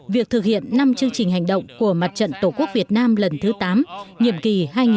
việc thực hiện năm chương trình hành động của mặt trận tổ quốc việt nam lần thứ tám nhiệm kỳ hai nghìn một mươi chín hai nghìn hai mươi bốn